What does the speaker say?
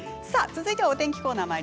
続いてはお天気コーナー。